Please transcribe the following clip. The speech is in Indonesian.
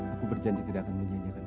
aku berjanji tidak akan menyanyikan